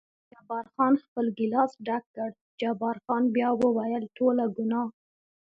جبار خان خپل ګیلاس ډک کړ، جبار خان بیا وویل: ټوله ګناه.